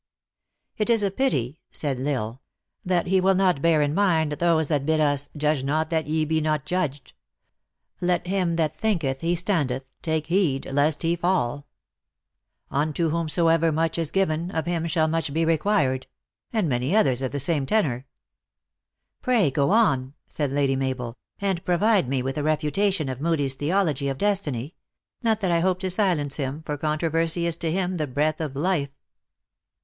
"It is a pity said L Isle, "that he will not bear in mind those that bid us Judge not that ye be not judged; Let him that thinketh he standeth, take heed lest he fall ; Unto whomsoever much is given, of him shall much be required ; and many others of the same tenor." 200 THE ACTRESS IX HIGH LIFE. " Pray go on," said Lady Mabel, " and provide me with a refutation of Moodie s theology of destiny : not that I hope to silence him, for controversy is to him the breath of life."